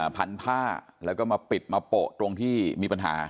พันผ้าแล้วก็มาปิดมาโปะตรงที่มีปัญหา